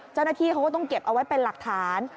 เจ้าหน้าที่เขาก็ต้องเก็บเอาไว้เป็นหลักฐาน